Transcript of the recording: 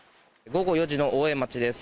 午後４時の大江町です。